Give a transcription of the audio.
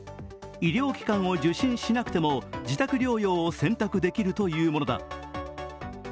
医療機関を受診しなくても自宅療養を選択できるというものだ。